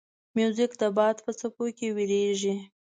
موزیک د باد په څپو کې ویریږي.